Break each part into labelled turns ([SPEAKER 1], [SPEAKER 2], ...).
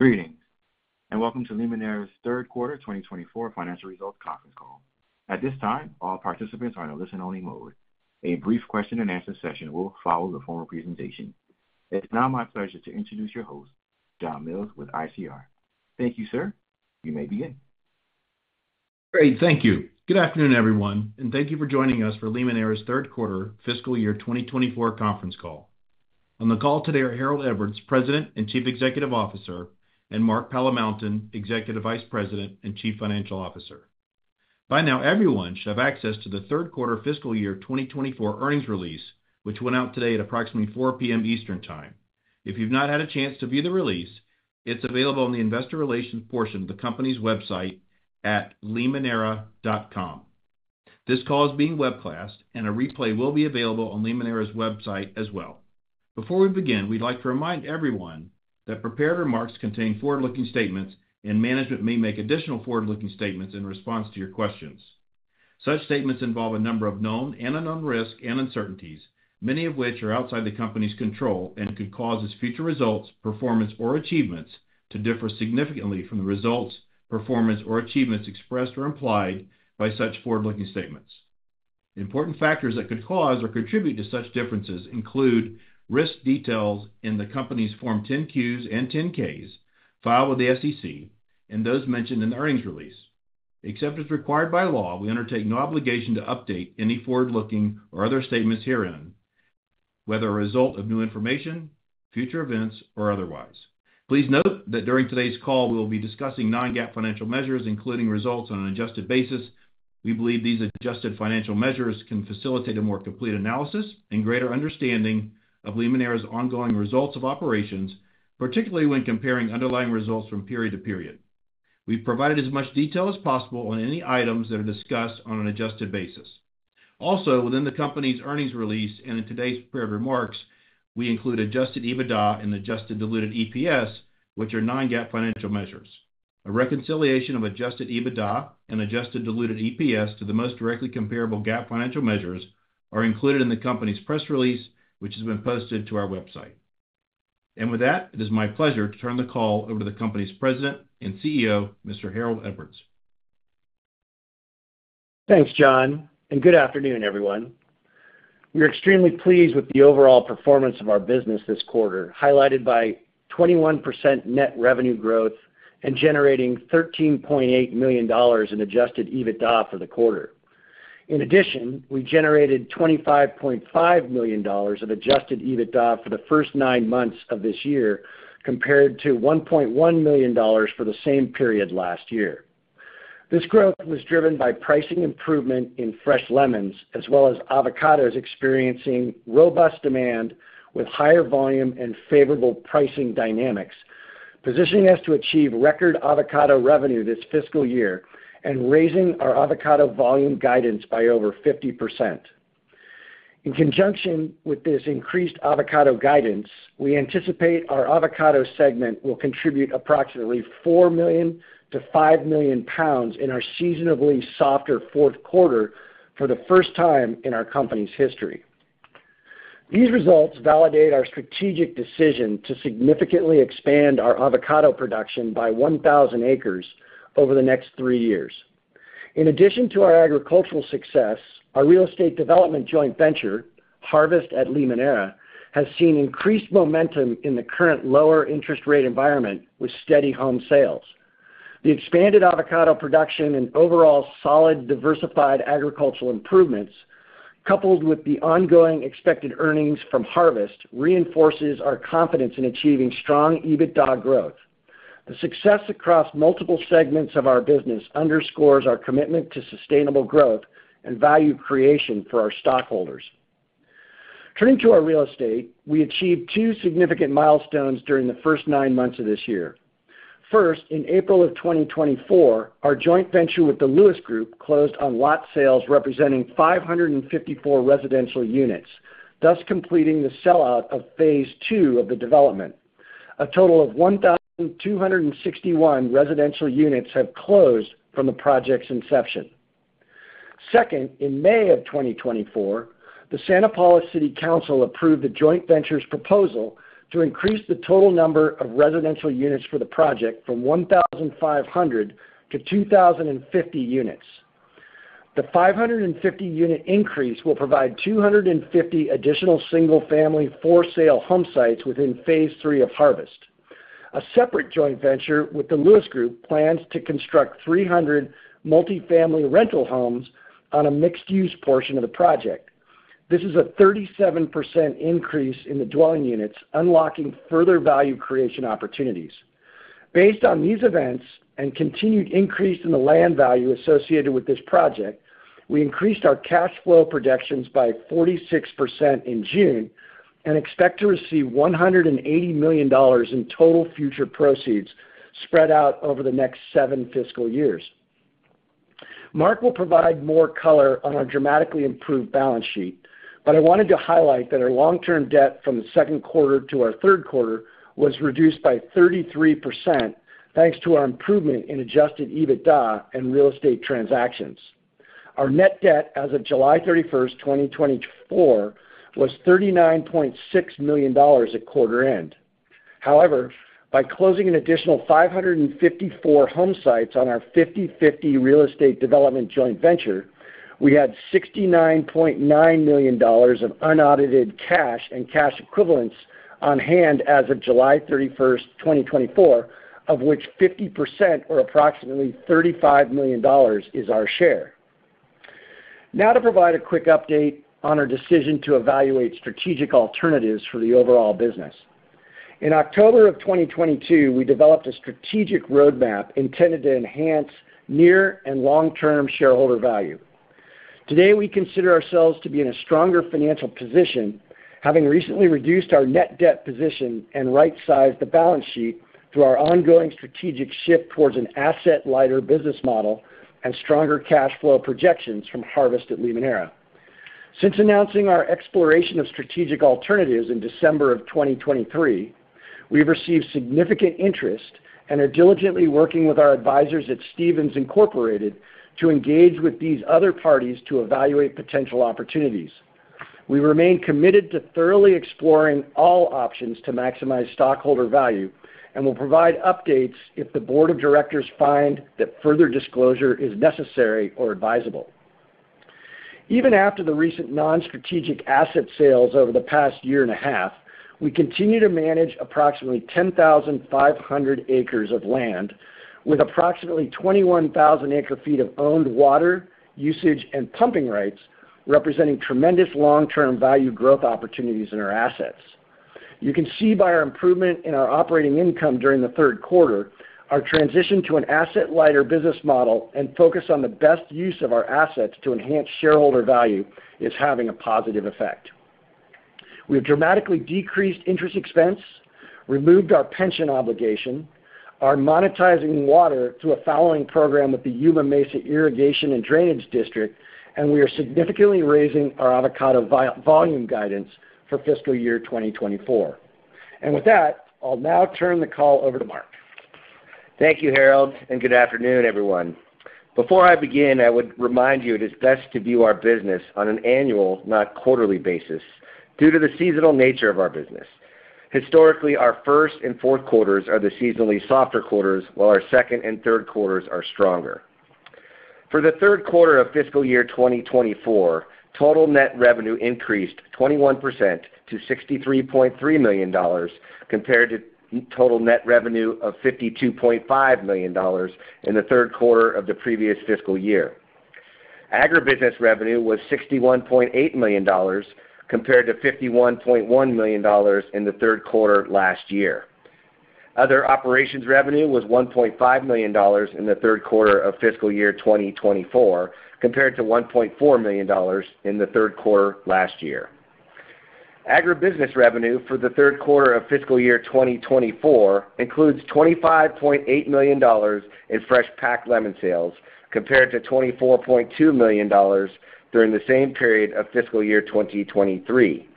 [SPEAKER 1] Greetings, and welcome to Limoneira's third quarter twenty twenty-four financial results conference call. At this time, all participants are in a listen-only mode. A brief question-and-answer session will follow the formal presentation. It's now my pleasure to introduce your host, John Mills, with ICR. Thank you, sir. You may begin.
[SPEAKER 2] Great. Thank you. Good afternoon, everyone, and thank you for joining us for Limoneira's third quarter fiscal year twenty twenty-four conference call. On the call today are Harold Edwards, President and Chief Executive Officer, and Mark Palamountain, Executive Vice President and Chief Financial Officer. By now, everyone should have access to the third quarter fiscal year twenty twenty-four earnings release, which went out today at approximately 4:00P.M. Eastern Time. If you've not had a chance to view the release, it's available on the investor relations portion of the company's website at limoneira.com. This call is being webcast, and a replay will be available on Limoneira's website as well. Before we begin, we'd like to remind everyone that prepared remarks contain forward-looking statements, and management may make additional forward-looking statements in response to your questions. Such statements involve a number of known and unknown risks and uncertainties, many of which are outside the company's control and could cause its future results, performance, or achievements to differ significantly from the results, performance, or achievements expressed or implied by such forward-looking statements. Important factors that could cause or contribute to such differences include risk details in the company's Form 10-Qs and 10-Ks filed with the SEC and those mentioned in the earnings release. Except as required by law, we undertake no obligation to update any forward-looking or other statements herein, whether a result of new information, future events, or otherwise. Please note that during today's call, we will be discussing non-GAAP financial measures, including results on an adjusted basis. We believe these adjusted financial measures can facilitate a more complete analysis and greater understanding of Limoneira's ongoing results of operations, particularly when comparing underlying results from period to period. We've provided as much detail as possible on any items that are discussed on an adjusted basis. Also, within the company's earnings release and in today's prepared remarks, we include adjusted EBITDA and adjusted diluted EPS, which are non-GAAP financial measures. A reconciliation of adjusted EBITDA and adjusted diluted EPS to the most directly comparable GAAP financial measures are included in the company's press release, which has been posted to our website, and with that, it is my pleasure to turn the call over to the company's President and CEO, Mr. Harold Edwards.
[SPEAKER 3] Thanks, John, and good afternoon, everyone. We are extremely pleased with the overall performance of our business this quarter, highlighted by 21% net revenue growth and generating $13.8 million in adjusted EBITDA for the quarter. In addition, we generated $25.5 million of adjusted EBITDA for the first nine months of this year, compared to $1.1 million for the same period last year. This growth was driven by pricing improvement in fresh lemons, as well as avocados experiencing robust demand with higher volume and favorable pricing dynamics, positioning us to achieve record avocado revenue this fiscal year and raising our avocado volume guidance by over 50%. In conjunction with this increased avocado guidance, we anticipate our avocado segment will contribute approximately 4 million-5 million pounds in our seasonably softer fourth quarter for the first time in our company's history. These results validate our strategic decision to significantly expand our avocado production by 1,000 acres over the next three years. In addition to our agricultural success, our real estate development joint venture, Harvest at Limoneira, has seen increased momentum in the current lower interest rate environment with steady home sales. The expanded avocado production and overall solid, diversified agricultural improvements, coupled with the ongoing expected earnings from Harvest, reinforces our confidence in achieving strong EBITDA growth. The success across multiple segments of our business underscores our commitment to sustainable growth and value creation for our stockholders. Turning to our real estate, we achieved two significant milestones during the first nine months of this year. First, in April of 2024, our joint venture with the Lewis Group closed on lot sales representing 554 residential units, thus completing the sellout of phase two of the development. A total of 1,261 residential units have closed from the project's inception. Second, in May of 2024, the Santa Paula City Council approved the joint venture's proposal to increase the total number of residential units for the project from 1,500 to 2,050 units. The 550 unit increase will provide 250 additional single-family, for-sale home sites within phase three of Harvest. A separate joint venture with the Lewis Group plans to construct 300 multifamily rental homes on a mixed-use portion of the project. This is a 37% increase in the dwelling units, unlocking further value creation opportunities. Based on these events and continued increase in the land value associated with this project, we increased our cash flow projections by 46% in June and expect to receive $180 million in total future proceeds spread out over the next seven fiscal years. Mark will provide more color on our dramatically improved balance sheet, but I wanted to highlight that our long-term debt from the second quarter to our third quarter was reduced by 33%, thanks to our improvement in Adjusted EBITDA and real estate transactions. Our net debt as of July 31st, 2024, was $39.6 million at quarter end. However, by closing an additional 554 home sites on our 50-50 real estate development joint venture, we had $69.9 million of unaudited cash and cash equivalents on hand as of July 31st, 2024, of which 50% or approximately $35 million is our share. Now to provide a quick update on our decision to evaluate strategic alternatives for the overall business. In October of 2022, we developed a strategic roadmap intended to enhance near- and long-term shareholder value. Today, we consider ourselves to be in a stronger financial position, having recently reduced our net debt position and right-sized the balance sheet through our ongoing strategic shift towards an asset-lighter business model and stronger cash flow projections from Harvest at Limoneira. Since announcing our exploration of strategic alternatives in December of 2023, we've received significant interest and are diligently working with our advisors at Stephens Incorporated to engage with these other parties to evaluate potential opportunities. We remain committed to thoroughly exploring all options to maximize stockholder value and will provide updates if the board of directors find that further disclosure is necessary or advisable. Even after the recent non-strategic asset sales over the past year and a half, we continue to manage approximately 10,500 acres of land, with approximately 21,000 acre-feet of owned water, usage, and pumping rights, representing tremendous long-term value growth opportunities in our assets. You can see by our improvement in our operating income during the third quarter, our transition to an asset-lighter business model and focus on the best use of our assets to enhance shareholder value is having a positive effect. We have dramatically decreased interest expense, removed our pension obligation, are monetizing water through a fallowing program with the Yuma Mesa Irrigation and Drainage District, and we are significantly raising our avocado volume guidance for fiscal year 2024. And with that, I'll now turn the call over to Mark.
[SPEAKER 4] Thank you, Harold, and good afternoon, everyone. Before I begin, I would remind you it is best to view our business on an annual, not quarterly basis, due to the seasonal nature of our business. Historically, our first and fourth quarters are the seasonally softer quarters, while our second and third quarters are stronger. For the third quarter of fiscal year 2024, total net revenue increased 21% to $63.3 million, compared to total net revenue of $52.5 million in the third quarter of the previous fiscal year. Agribusiness revenue was $61.8 million, compared to $51.1 million in the third quarter last year. Other operations revenue was $1.5 million in the third quarter of fiscal year 2024, compared to $1.4 million in the third quarter last year. Agribusiness revenue for the third quarter of fiscal year 2024 includes $25.8 million in fresh packed lemon sales, compared to $24.2 million during the same period of fiscal year 2023.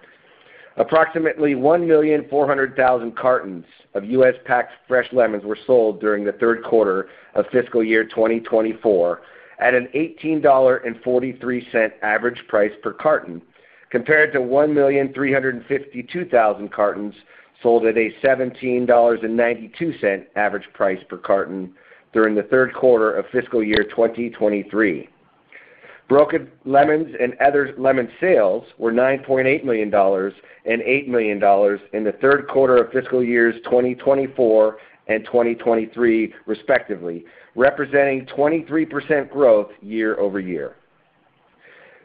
[SPEAKER 4] Approximately 1.4 million cartons of U.S.-packed fresh lemons were sold during the third quarter of fiscal year 2024 at an $18.43 average price per carton, compared to 1.352 million cartons sold at a $17.92 average price per carton during the third quarter of fiscal year 2023. Broken lemons and other lemon sales were $9.8 million and $8 million in the third quarter of fiscal years 2024 and 2023, respectively, representing 23% growth year over year.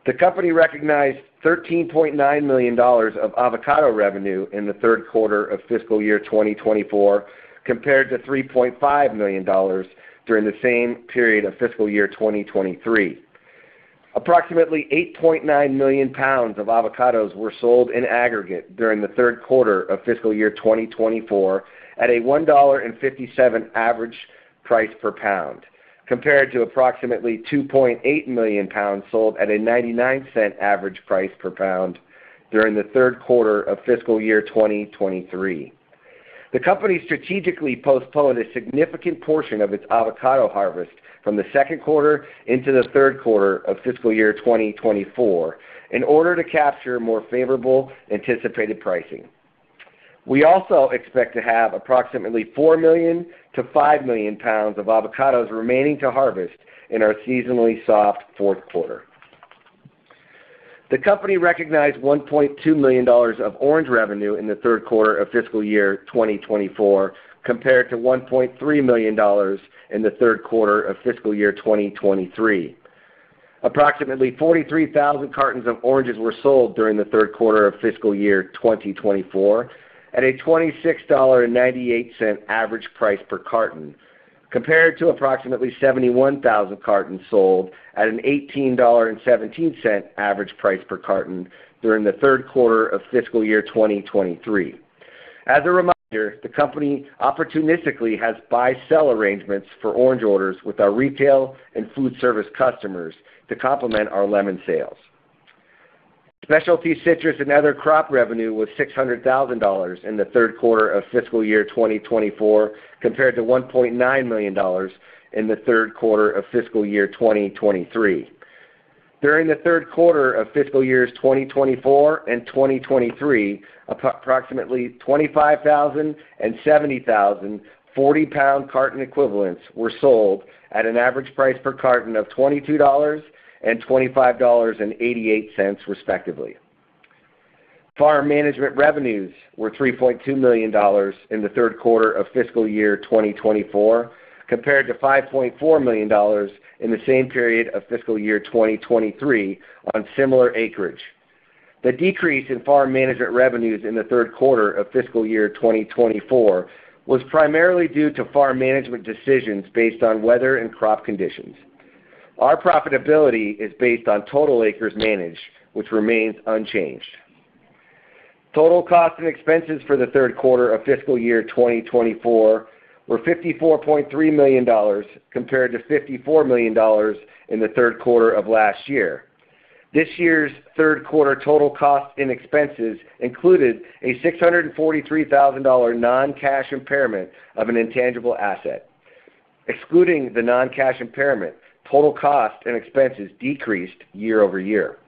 [SPEAKER 4] The company recognized $13.9 million of avocado revenue in the third quarter of fiscal year 2024, compared to $3.5 million during the same period of fiscal year 2023. Approximately 8.9 million pounds of avocados were sold in aggregate during the third quarter of fiscal year 2024 at a $1.57 average price per pound, compared to approximately 2.8 million pounds sold at a $0.99 average price per pound during the third quarter of fiscal year 2023. The company strategically postponed a significant portion of its avocado harvest from the second quarter into the third quarter of fiscal year 2024 in order to capture more favorable anticipated pricing. We also expect to have approximately 4 million to 5 million pounds of avocados remaining to harvest in our seasonally soft fourth quarter. The company recognized $1.2 million of orange revenue in the third quarter of fiscal year 2024, compared to $1.3 million in the third quarter of fiscal year 2023. Approximately 43,000 cartons of oranges were sold during the third quarter of fiscal year 2024 at a $26.98 average price per carton, compared to approximately 71,000 cartons sold at an $18.17 average price per carton during the third quarter of fiscal year 2023. As a reminder, the company opportunistically has buy-sell arrangements for orange orders with our retail and food service customers to complement our lemon sales.... Specialty citrus and other crop revenue was $600,000 in the third quarter of fiscal year 2024, compared to $1.9 million in the third quarter of fiscal year 2023. During the third quarter of fiscal years 2024 and 2023, approximately 25,000 and 70,000 forty-pound carton equivalents were sold at an average price per carton of $22 and $25.88, respectively. Farm management revenues were $3.2 million in the third quarter of fiscal year 2024, compared to $5.4 million in the same period of fiscal year 2023 on similar acreage. The decrease in farm management revenues in the third quarter of fiscal year 2024 was primarily due to farm management decisions based on weather and crop conditions. Our profitability is based on total acres managed, which remains unchanged. Total costs and expenses for the third quarter of fiscal year 2024 were $54.3 million, compared to $54 million in the third quarter of last year. This year's third quarter total costs and expenses included a $643,000 non-cash impairment of an intangible asset. Excluding the non-cash impairment, total costs and expenses decreased year over year.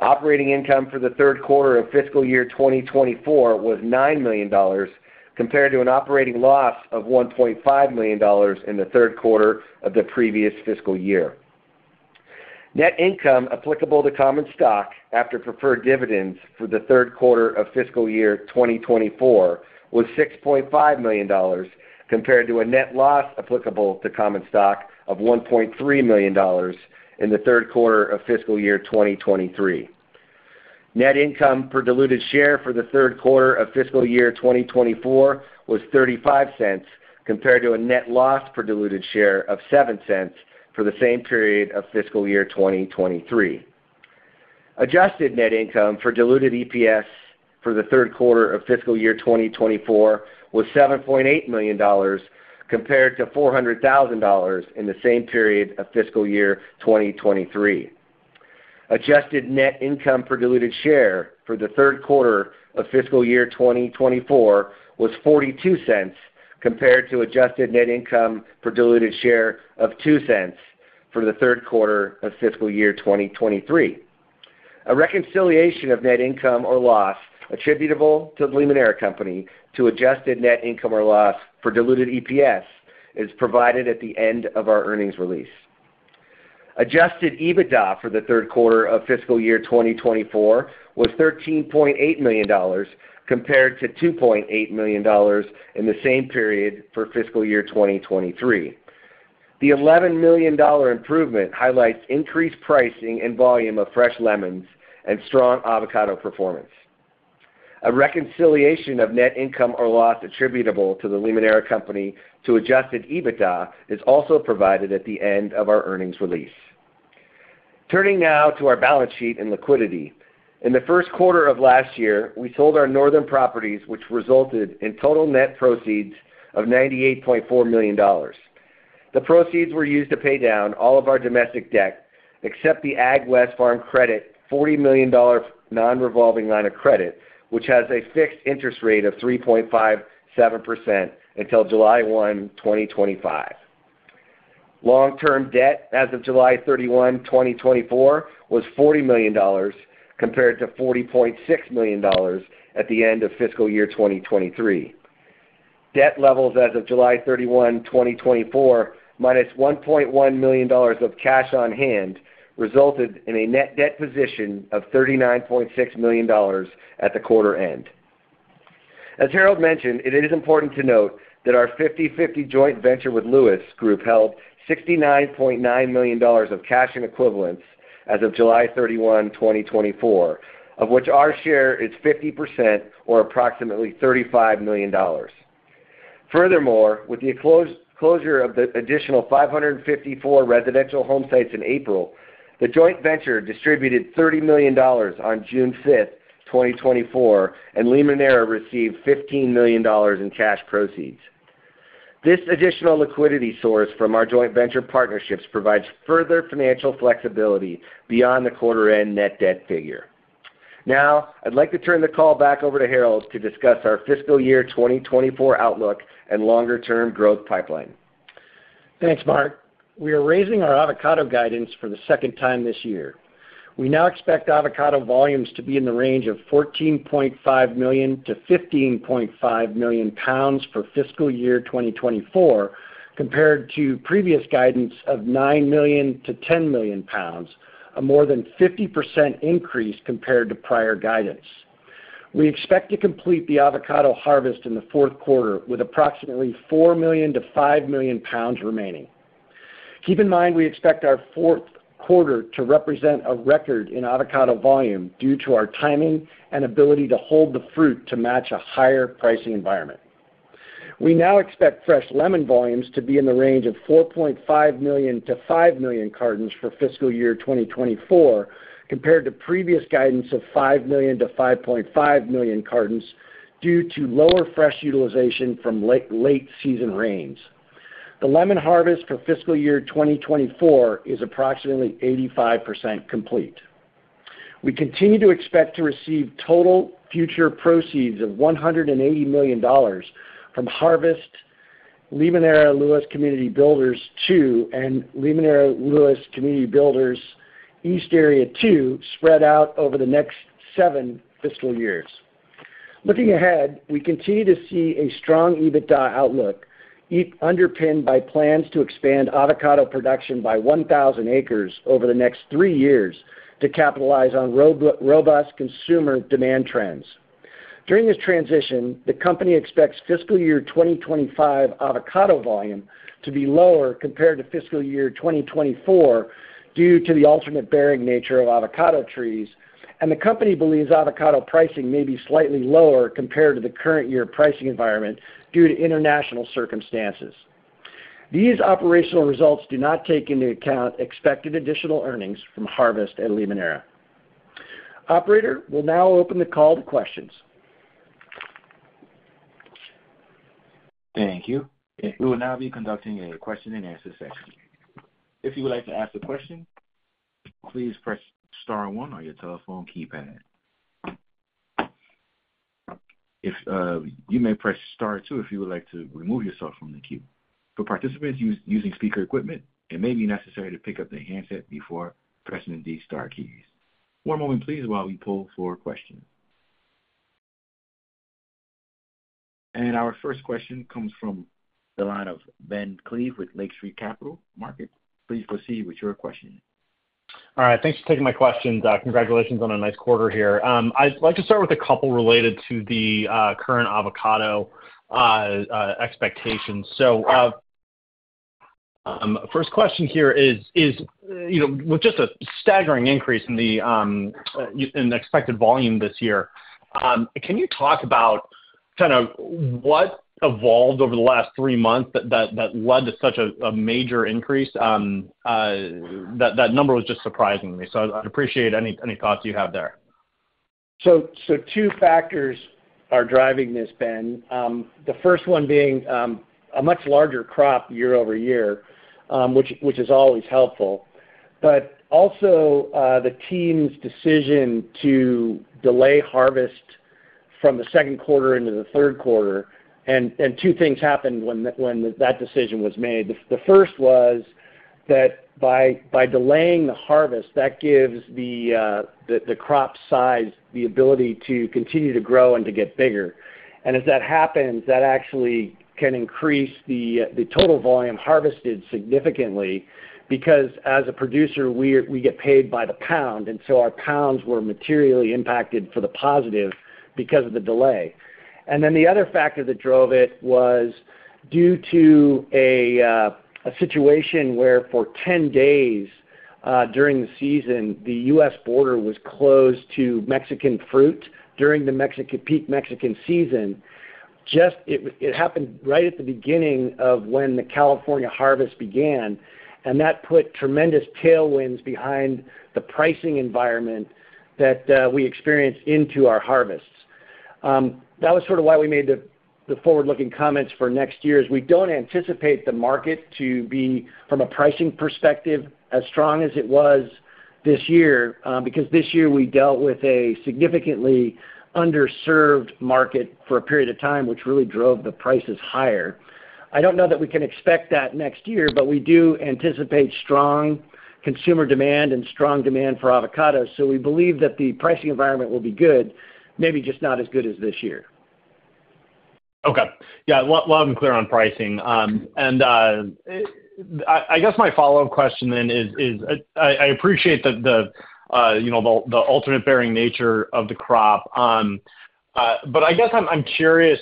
[SPEAKER 4] Operating income for the third quarter of fiscal year 2024 was $9 million, compared to an operating loss of $1.5 million in the third quarter of the previous fiscal year. Net income applicable to common stock after preferred dividends for the third quarter of fiscal year 2024 was $6.5 million, compared to a net loss applicable to common stock of $1.3 million in the third quarter of fiscal year 2023. Net income per diluted share for the third quarter of fiscal year 2024 was $0.35, compared to a net loss per diluted share of $0.07 for the same period of fiscal year 2023. Adjusted net income for diluted EPS for the third quarter of fiscal year 2024 was $7.8 million, compared to $400,000 in the same period of fiscal year 2023. Adjusted net income per diluted share for the third quarter of fiscal year 2024 was $0.42, compared to adjusted net income per diluted share of $0.02 for the third quarter of fiscal year 2023. A reconciliation of net income or loss attributable to Limoneira Company to adjusted net income or loss for diluted EPS is provided at the end of our earnings release. Adjusted EBITDA for the third quarter of fiscal year 2024 was $13.8 million, compared to $2.8 million in the same period for fiscal year 2023. The $11 million improvement highlights increased pricing and volume of fresh lemons and strong avocado performance. A reconciliation of net income or loss attributable to the Limoneira Company to adjusted EBITDA is also provided at the end of our earnings release. Turning now to our balance sheet and liquidity. In the first quarter of last year, we sold our northern properties, which resulted in total net proceeds of $98.4 million. The proceeds were used to pay down all of our domestic debt, except the AgWest Farm Credit $40 million non-revolving line of credit, which has a fixed interest rate of 3.57% until July 1, 2025. Long-term debt as of July 31, 2024, was $40 million, compared to $40.6 million at the end of fiscal year 2023. Debt levels as of July 31, 2024, minus $1.1 million of cash on hand, resulted in a net debt position of $39.6 million at the quarter end. As Harold mentioned, it is important to note that our 50-50 joint venture with Lewis Group held $69.9 million of cash and equivalents as of July 31, 2024, of which our share is 50% or approximately $35 million. Furthermore, with the closure of the additional 554 residential home sites in April, the joint venture distributed $30 million on June 5, 2024, and Limoneira received $15 million in cash proceeds. This additional liquidity source from our joint venture partnerships provides further financial flexibility beyond the quarter end net debt figure. Now, I'd like to turn the call back over to Harold to discuss our fiscal year 2024 outlook and longer-term growth pipeline.
[SPEAKER 3] Thanks, Mark. We are raising our avocado guidance for the second time this year. We now expect avocado volumes to be in the range of 14.5 million-15.5 million pounds for fiscal year 2024, compared to previous guidance of 9 million-10 million pounds, a more than 50% increase compared to prior guidance. We expect to complete the avocado harvest in the fourth quarter, with approximately 4 million-5 million pounds remaining. Keep in mind, we expect our fourth quarter to represent a record in avocado volume due to our timing and ability to hold the fruit to match a higher pricing environment. We now expect fresh lemon volumes to be in the range of 4.5 million-5 million cartons for fiscal year 2024, compared to previous guidance of 5 million-5.5 million cartons due to lower fresh utilization from late season rains. The lemon harvest for fiscal year 2024 is approximately 85% complete. We continue to expect to receive total future proceeds of $180 million from Harvest, Limoneira Lewis Community Builders II, and Limoneira Lewis Community Builders East Area Two, spread out over the next seven fiscal years. Looking ahead, we continue to see a strong EBITDA outlook, underpinned by plans to expand avocado production by 1,000 acres over the next three years to capitalize on robust consumer demand trends. During this transition, the company expects fiscal year 2025 avocado volume to be lower compared to fiscal year 2024 due to the alternate bearing nature of avocado trees, and the company believes avocado pricing may be slightly lower compared to the current year pricing environment due to international circumstances. These operational results do not take into account expected additional earnings from Harvest at Limoneira. Operator, we'll now open the call to questions.
[SPEAKER 1] Thank you. We will now be conducting a question and answer session. If you would like to ask a question, please press star one on your telephone keypad. If you may press star two if you would like to remove yourself from the queue. For participants using speaker equipment, it may be necessary to pick up the handset before pressing the star keys. One moment, please, while we pull for questions. And our first question comes from the line of Ben Klieve with Lake Street Capital Markets. Please proceed with your question.
[SPEAKER 5] All right, thanks for taking my questions. Congratulations on a nice quarter here. I'd like to start with a couple related to the current avocado expectations. So, first question here is, you know, with just a staggering increase in the expected volume this year, can you talk about kind of what evolved over the last three months that led to such a major increase? That number was just surprising to me, so I'd appreciate any thoughts you have there.
[SPEAKER 3] So two factors are driving this, Ben. The first one being a much larger crop year over year, which is always helpful. But also, the team's decision to delay harvest from the second quarter into the third quarter, and two things happened when that decision was made. The first was that by delaying the harvest, that gives the crop size the ability to continue to grow and to get bigger. And as that happens, that actually can increase the total volume harvested significantly, because as a producer, we get paid by the pound, and so our pounds were materially impacted for the positive because of the delay. And then the other factor that drove it was due to a situation where for ten days during the season, the U.S. border was closed to Mexican fruit during the Mexican peak Mexican season. It happened right at the beginning of when the California harvest began, and that put tremendous tailwinds behind the pricing environment that we experienced into our harvests. That was sort of why we made the forward-looking comments for next year, is we don't anticipate the market to be, from a pricing perspective, as strong as it was this year, because this year we dealt with a significantly underserved market for a period of time, which really drove the prices higher. I don't know that we can expect that next year, but we do anticipate strong consumer demand and strong demand for avocados, so we believe that the pricing environment will be good, maybe just not as good as this year.
[SPEAKER 5] Okay. Yeah, loud and clear on pricing. I guess my follow-up question then is, I appreciate that the alternate bearing nature of the crop, but I guess I'm curious,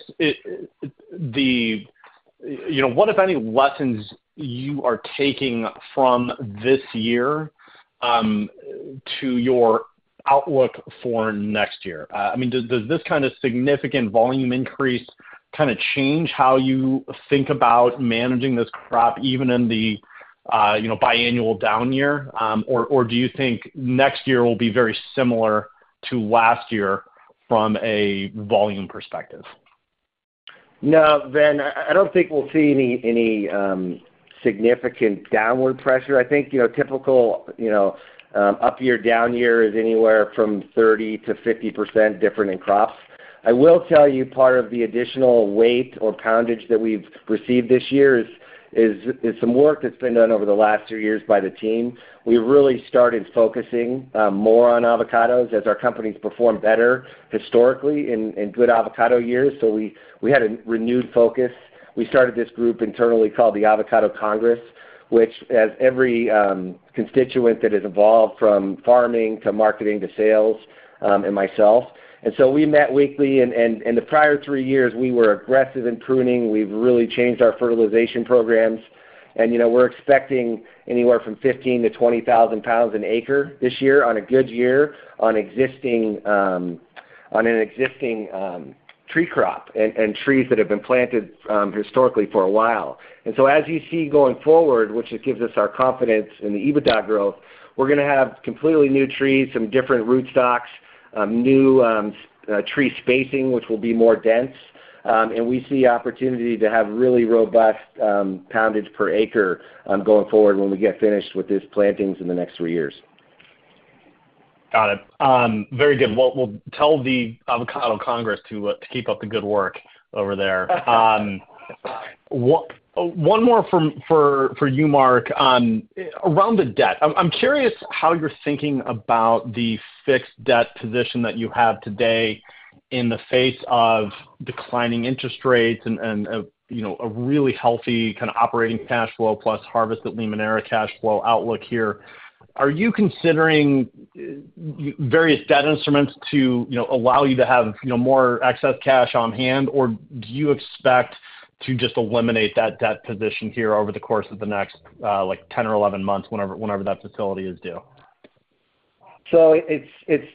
[SPEAKER 5] what, if any, lessons you are taking from this year to your outlook for next year? I mean, does this kind of significant volume increase kind of change how you think about managing this crop even in the biennial down year? Or do you think next year will be very similar to last year from a volume perspective?
[SPEAKER 3] No, Ben, I don't think we'll see any significant downward pressure. I think, you know, typical, you know, up year, down year is anywhere from 30%-50% different in crops. I will tell you, part of the additional weight or poundage that we've received this year is some work that's been done over the last two years by the team. We really started focusing more on avocados as our companies perform better historically in good avocado years. So we had a renewed focus. We started this group internally called the Avocado Congress, which has every constituent that is involved, from farming, to marketing, to sales, and myself. And so we met weekly, and in the prior three years, we were aggressive in pruning. We've really changed our fertilization programs. And, you know, we're expecting anywhere from 15-20 thousand pounds an acre this year on a good year on an existing tree crop and trees that have been planted historically for a while. And so as you see going forward, which it gives us our confidence in the EBITDA growth, we're gonna have completely new trees, some different root stocks... new tree spacing, which will be more dense. And we see opportunity to have really robust poundage per acre going forward when we get finished with these plantings in the next three years.
[SPEAKER 5] Got it. Very good. We'll tell the Avocado Congress to keep up the good work over there. One more for you, Mark. Around the debt, I'm curious how you're thinking about the fixed debt position that you have today in the face of declining interest rates and a you know a really healthy kind of operating cash flow, plus Harvest at Limoneira cash flow outlook here. Are you considering various debt instruments to you know allow you to have you know more excess cash on hand? Or do you expect to just eliminate that debt position here over the course of the next like ten or eleven months, whenever that facility is due?
[SPEAKER 4] So it's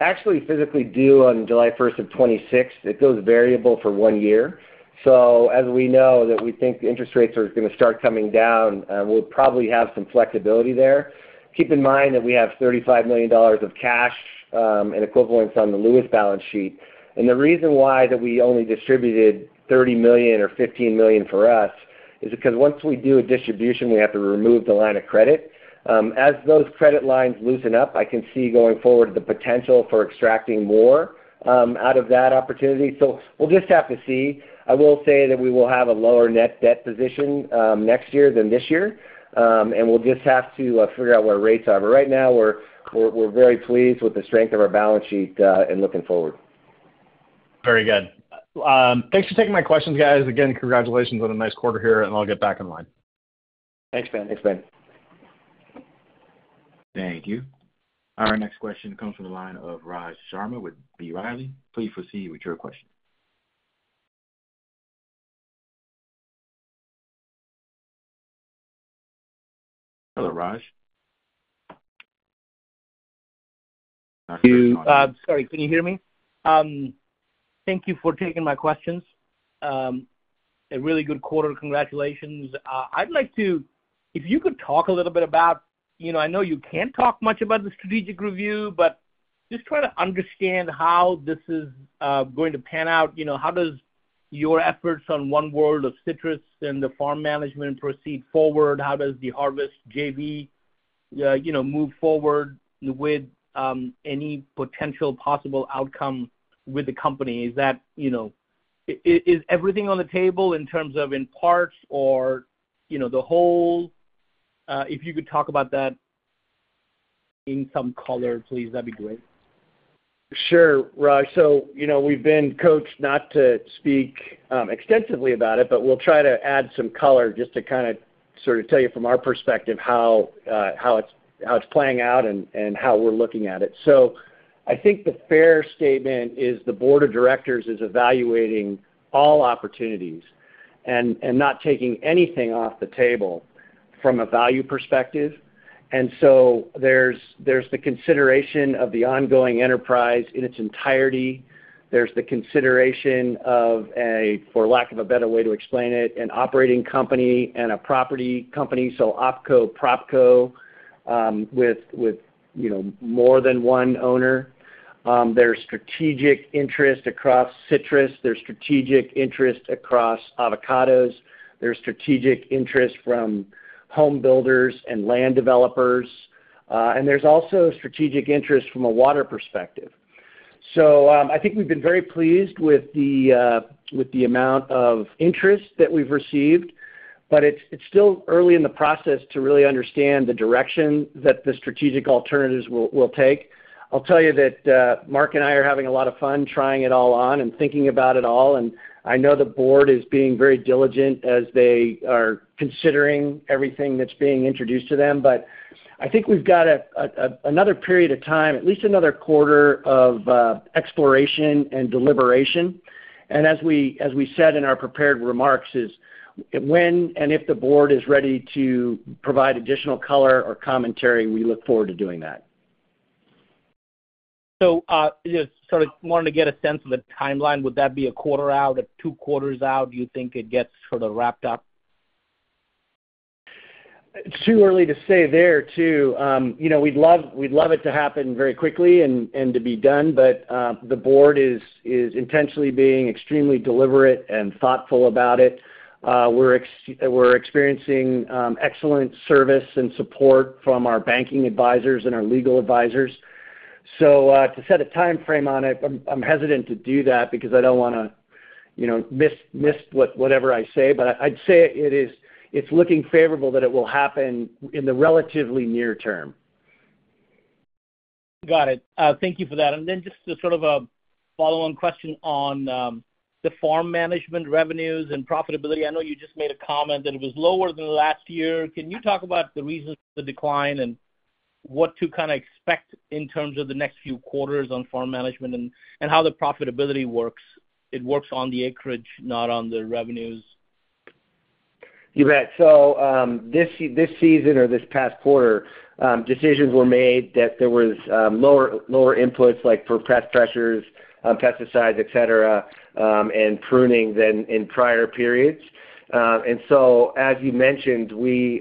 [SPEAKER 4] actually physically due on July 1st of 2026. It goes variable for one year. So as we know that we think interest rates are gonna start coming down, we'll probably have some flexibility there. Keep in mind that we have $35 million of cash and equivalents on the Lewis balance sheet. And the reason why that we only distributed $30 million or $15 million for us, is because once we do a distribution, we have to remove the line of credit. As those credit lines loosen up, I can see going forward, the potential for extracting more out of that opportunity. So we'll just have to see. I will say that we will have a lower net debt position next year than this year. And we'll just have to figure out where rates are. But right now, we're very pleased with the strength of our balance sheet, and looking forward.
[SPEAKER 5] Very good. Thanks for taking my questions, guys. Again, congratulations on a nice quarter here, and I'll get back in line.
[SPEAKER 3] Thanks, Ben.
[SPEAKER 4] Thanks, Ben.
[SPEAKER 1] Thank you. Our next question comes from the line of Raj Sharma with B. Riley. Please proceed with your question. Hello, Raj?
[SPEAKER 6] You... sorry, can you hear me? Thank you for taking my questions. A really good quarter. Congratulations. I'd like to... If you could talk a little bit about, you know, I know you can't talk much about the strategic review, but just trying to understand how this is going to pan out. You know, how does your efforts on One World of Citrus and the farm management proceed forward? How does the harvest JV, you know, move forward with any potential possible outcome with the company? Is that, you know, is everything on the table in terms of in parts or, you know, the whole? If you could talk about that in some color, please, that'd be great.
[SPEAKER 3] Sure, Raj. So, you know, we've been coached not to speak extensively about it, but we'll try to add some color just to kind of sort of tell you from our perspective, how it's playing out and how we're looking at it. I think the fair statement is the board of directors is evaluating all opportunities and not taking anything off the table from a value perspective. There's the consideration of the ongoing enterprise in its entirety. There's the consideration of a, for lack of a better way to explain it, an operating company and a property company, so OpCo/propco, with you know, more than one owner. There's strategic interest across citrus. There's strategic interest across avocados. There's strategic interest from home builders and land developers, and there's also strategic interest from a water perspective. So, I think we've been very pleased with the amount of interest that we've received, but it's still early in the process to really understand the direction that the strategic alternatives will take. I'll tell you that, Mark and I are having a lot of fun trying it all on and thinking about it all, and I know the board is being very diligent as they are considering everything that's being introduced to them. But I think we've got another period of time, at least another quarter of exploration and deliberation. And as we said in our prepared remarks, is when and if the board is ready to provide additional color or commentary, we look forward to doing that.
[SPEAKER 6] So, just sort of wanted to get a sense of the timeline. Would that be a quarter out, two quarters out, do you think it gets sort of wrapped up?
[SPEAKER 3] It's too early to say there, too. You know, we'd love it to happen very quickly and to be done, but the board is intentionally being extremely deliberate and thoughtful about it. We're experiencing excellent service and support from our banking advisors and our legal advisors. So, to set a timeframe on it, I'm hesitant to do that because I don't wanna, you know, miss whatever I say, but I'd say it is looking favorable that it will happen in the relatively near term.
[SPEAKER 6] Got it. Thank you for that, and then just as sort of a follow-on question on the farm management revenues and profitability. I know you just made a comment that it was lower than last year. Can you talk about the reasons for the decline and what to kind of expect in terms of the next few quarters on farm management and how the profitability works? It works on the acreage, not on the revenues.
[SPEAKER 3] You bet. So, this season or this past quarter, decisions were made that there was lower inputs, like for pest pressures, pesticides, et cetera, and pruning than in prior periods. And so, as you mentioned,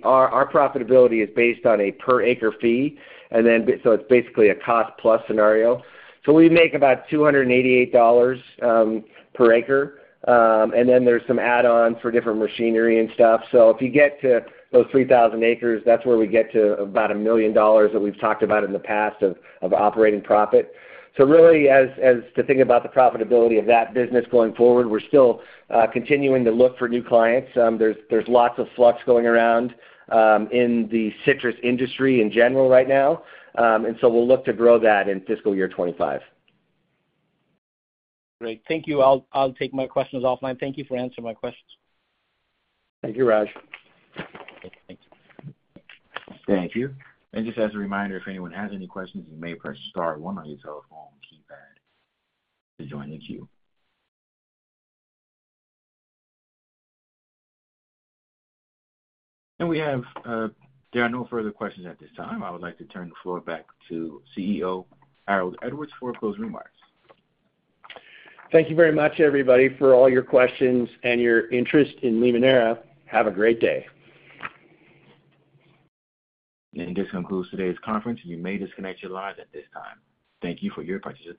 [SPEAKER 3] our profitability is based on a per acre fee, and then, so it's basically a cost-plus scenario. So we make about $288 per acre, and then there's some add-ons for different machinery and stuff. So if you get to those 3,000 acres, that's where we get to about $1 million that we've talked about in the past of operating profit. So really, as to think about the profitability of that business going forward, we're still continuing to look for new clients. There's lots of flux going around in the citrus industry in general right now, and so we'll look to grow that in fiscal year 2025.
[SPEAKER 6] Great. Thank you. I'll take my questions offline. Thank you for answering my questions.
[SPEAKER 3] Thank you, Raj.
[SPEAKER 6] Thank you.
[SPEAKER 1] Thank you. And just as a reminder, if anyone has any questions, you may press star one on your telephone keypad to join the queue. And we have, there are no further questions at this time. I would like to turn the floor back to CEO, Harold Edwards, for closing remarks.
[SPEAKER 3] Thank you very much, everybody, for all your questions and your interest in Limoneira. Have a great day.
[SPEAKER 1] This concludes today's conference. You may disconnect your lines at this time. Thank you for your participation.